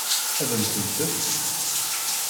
Ad m-ten-tefk?